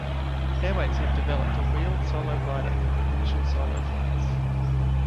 Airways have developed a wheeled solo glider for the initial solo flights.